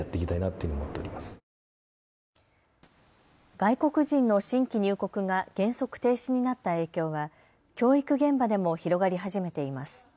外国人の新規入国が原則停止になった影響は教育現場でも広がり始めています。